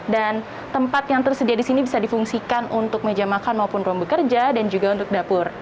dan tempat yang tersedia di sini bisa difungsikan untuk meja makan maupun ruang bekerja dan juga untuk dapur